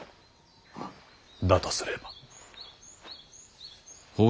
だとすれば。